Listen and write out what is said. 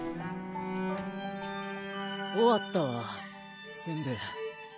終わったわ全部。